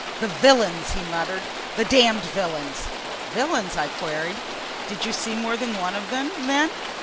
"The villains!" he muttered. "The damned villains!" "Villains?" I queried. "Did you see more than one of them, then?"